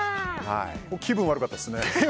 気分悪かったですね。